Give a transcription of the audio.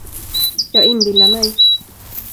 Jag inbillar mig.